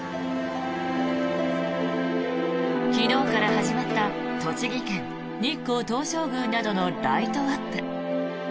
昨日から始まった栃木県・日光東照宮などのライトアップ。